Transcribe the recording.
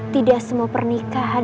tidak semua pernikahan